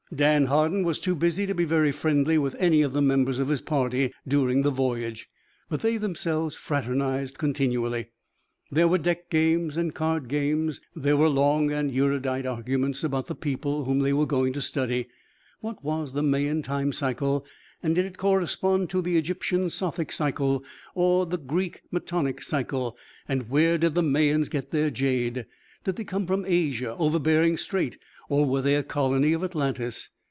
Dan Hardin was too busy to be very friendly with any of the members of his party during the voyage, but they themselves fraternized continually. There were deck games and card games; there were long and erudite arguments about the people whom they were going to study. What was the Mayan time cycle and did it correspond to the Egyptian Sothic cycle or the Greek Metonic cycle. Where did the Mayans get their jade? Did they come from Asia over Bering Strait or were they a colony of Atlantis?